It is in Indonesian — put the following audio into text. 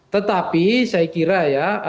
tetapi saya kira ya